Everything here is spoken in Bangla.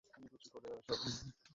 সেটাই বলেছি তোমাকে আমি।